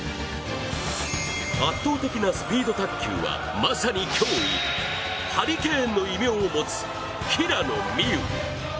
圧倒的なスピード卓球はまさに脅威、ハリケーンの異名を持つ平野美宇。